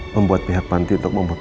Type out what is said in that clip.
dengan kejadian yang di kolam renang